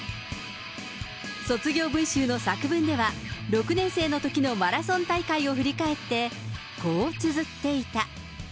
卒業文集の作文では、６年生のときのマラソン大会を振り返って、こうつづっていた。